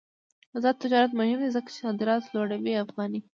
آزاد تجارت مهم دی ځکه چې صادرات لوړوي افغاني.